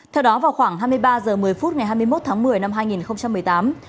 theo đó vào khoảng hai mươi ba h một mươi phút ngày hai mươi một tháng một mươi năm hai nghìn một mươi tám